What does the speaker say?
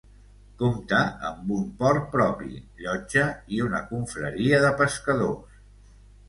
Compta amb un port propi, llotja i una confraria de pescadors.